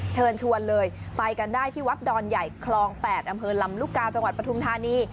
เชิญชวนเลยไปกันได้ที่วัดดอนใหญ่คลอง๘อำเภอลำลูกกาจังหวัดปทุมธานี